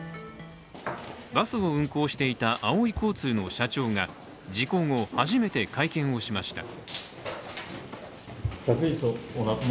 バスを運行していたあおい交通の社長が事故後、初めて会見をしました。